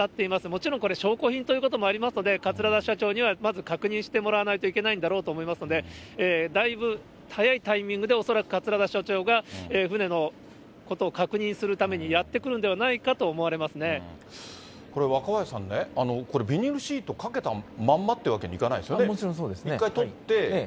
もちろんこれ、証拠品ということもありますので、桂田社長にはまず確認してもらわないといけないんだろうと思いますので、だいぶ早いタイミングで、恐らく桂田社長が船のことを確認するためにやって来るんではないこれ、若林さんね、これ、ビニールシート掛けたまんまってわけにはいかないですよね。